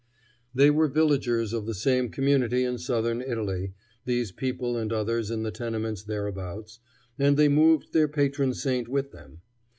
They were villagers of the same community in southern Italy, these people and others in the tenements thereabouts, and they moved their patron saint with them.